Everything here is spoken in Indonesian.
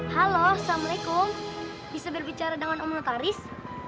halo assalamualaikum bisa berbicara dengan om notaris